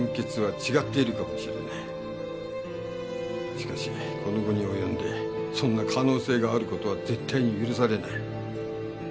しかしこの期に及んでそんな可能性がある事は絶対に許されない。